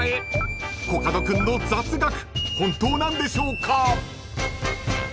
［コカド君の雑学本当なんでしょうか？］